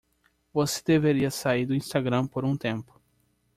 Você deveria sair do Instagram por um tempo.